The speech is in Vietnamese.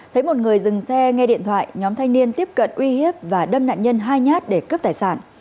thấy một người dừng xe nghe điện thoại nhóm thanh niên tiếp cận uy hiếp và đâm nạn nhân hai nhát để cướp tài sản